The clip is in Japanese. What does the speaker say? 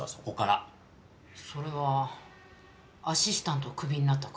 それはアシスタントをクビになったから。